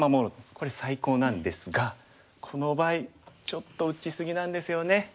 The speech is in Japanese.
これ最高なんですがこの場合ちょっと打ち過ぎなんですよね。